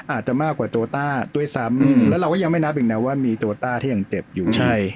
อาจจะมากกว่าโตต้าด้วยซ้ำแล้วเราก็ยังไม่นับอีกนะว่ามีโตต้าที่ยังเจ็บอยู่